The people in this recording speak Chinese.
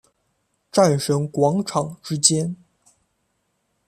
战神广场之间。